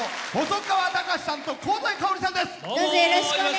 細川たかしさんと香西かおりさんです。